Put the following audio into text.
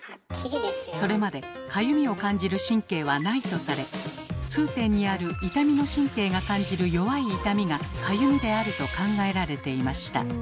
それまでかゆみを感じる神経はないとされ痛点にある痛みの神経が感じる弱い痛みが「かゆみ」であると考えられていました。